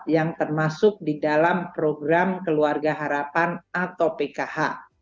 yang termasuk di dalam program keluarga harapan atau pkh